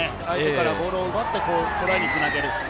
相手からボールを奪ってトライにつなげる。